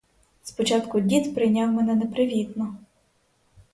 Спочатку дід прийняв мене непривітно.